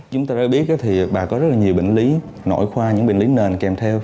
chúng ta đã biết bà có rất nhiều bệnh lý nội khoa những bệnh lý nền kèm theo